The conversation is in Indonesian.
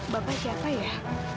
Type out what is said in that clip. bapak siapa ya